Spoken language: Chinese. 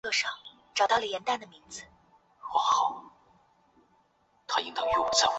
该组织在政治上属于建制派。